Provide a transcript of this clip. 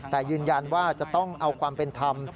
แต่ยืนยันว่าจะต้องเอาความเป็นธรรม